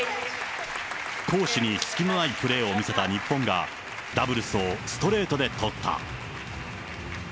コースに隙のないプレーを見せた日本が、ダブルスをストレートで取った。